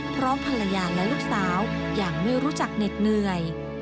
พร้อมภรรยาและลูกสาวอย่างไม่รู้จักเหน็ดเหนื่อย